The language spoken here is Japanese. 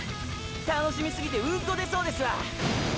楽しみすぎてウンコ出そうですわ。